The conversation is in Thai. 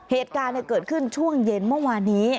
เหตุการณ์เกิดขึ้นช่วงเย็นเมื่อวานนี้